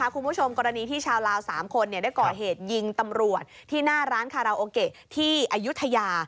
คุณผู้ชมกรณีที่ชาวลาว๓คนได้ก่อเหตุยิงตำรวจที่หน้าร้านคาราโอเกะที่อายุทยา